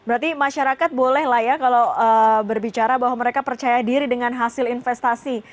jadi masyarakat bolehlah ya kalau berbicara bahwa mereka percaya diri dengan hasil investasi